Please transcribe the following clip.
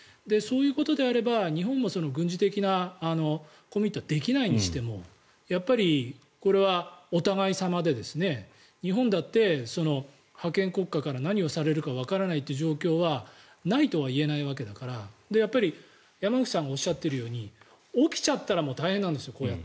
そういうことであれば日本も軍事的なコミットはできないにしてもやっぱりこれはお互い様で日本だって覇権国家から何をされるかわからないという状況はないとは言えないわけだからやっぱり、山口さんがおっしゃっているように起きちゃったら大変なんですよ。